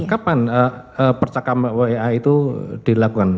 kapan percakapan wa itu dilakukan